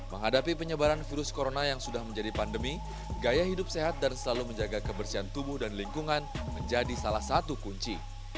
menghadapi penyebaran virus corona yang sudah menjadi pandemi gaya hidup sehat dan selalu menjaga kebersihan tubuh dan lingkungan menjadi salah satu kunci